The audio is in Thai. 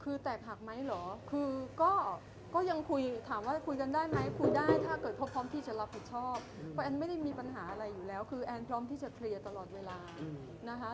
คือแตกหักไหมเหรอคือก็ยังคุยถามว่าคุยกันได้ไหมคุยได้ถ้าเกิดเขาพร้อมที่จะรับผิดชอบเพราะแอนไม่ได้มีปัญหาอะไรอยู่แล้วคือแอนพร้อมที่จะเคลียร์ตลอดเวลานะคะ